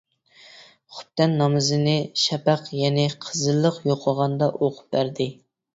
خۇپتەن نامىزىنى شەپەق، يەنى قىزىللىق يوقىغاندا ئوقۇپ بەردى.